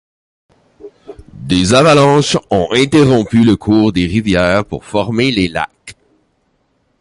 Des avalanches ont interrompu le cours des rivières pour former les lacs.